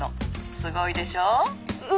すごいでしょう？